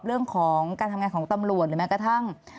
เรื่องของการทำงานของตำรวจหรือแม้กระทั่ง